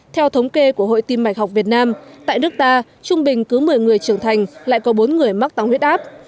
theo thống kê của hội tim mạch học việt nam tại nước ta trung bình cứ một mươi người trưởng thành lại có bốn người mắc tăng huyết áp